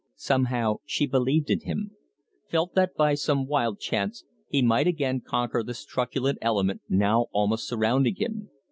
Somehow she believed in him, felt that by some wild chance he might again conquer this truculent element now almost surrounding him.